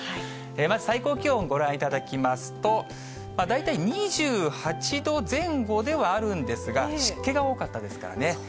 まず最高気温、ご覧いただきますと、大体２８度前後ではあるんですが、湿気が多かったですからね。